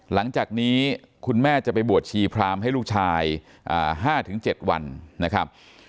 หลังจากนี้คุณแม่จะไปบวชชีพรามให้ลูกชาย๕๗วันนะครับ